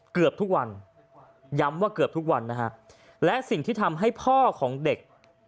เกือบทุกวันย้ำว่าเกือบทุกวันนะฮะและสิ่งที่ทำให้พ่อของเด็ก